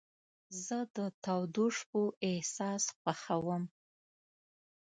زه د تودو شپو احساس خوښوم.